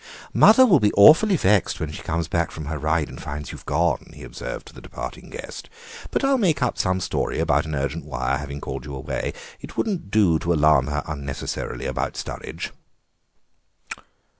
"Mother will be awfully vexed when she comes back from her ride and finds you have gone," he observed to the departing guest, "but I'll make up some story about an urgent wire having called you away. It wouldn't do to alarm her unnecessarily about Sturridge."